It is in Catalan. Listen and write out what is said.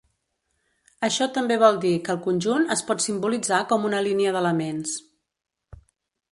Això també vol dir que el conjunt es pot simbolitzar com una línia d'elements.